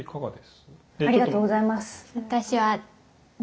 ありがとうございます。